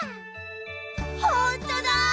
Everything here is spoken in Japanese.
ほんとだ！